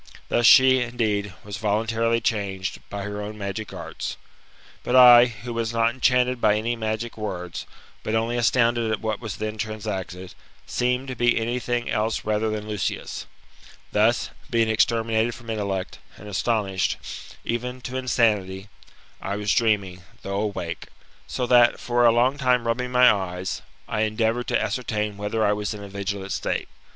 Thus she, indeed, was voluntarily changed, by her own magic arts. But I, who was not enchanted by any magic words, but only astounded at what was then transacted, seemed to be anything else rather than Lucius. Thus, being exterminated from intellect, and astonished, even to insanity, I was dreaming, though awake ; so that, for a long time rubbing my eyes, I endeavoured to ascertain whether I was in a vigilant state.